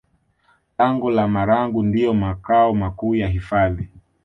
Lango la Marangu ndiyo makao makuu ya hifadhi